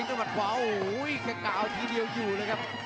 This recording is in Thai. หลุดเข้าไปครับหลิวมอตุ๋น